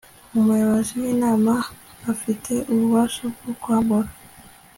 umuyobozi w inama afite ububasha bwo kwambura